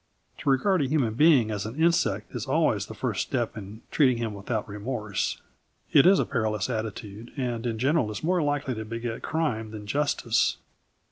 To regard a human being as an insect is always the first step in treating him without remorse. It is a perilous attitude and in general is more likely to beget crime than justice.